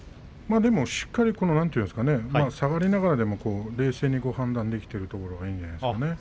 でも、しっかり下がりながらでも冷静に判断できているところがいいんじゃないですかね。